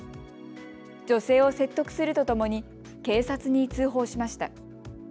女性を説得するとともに警察に通報しました。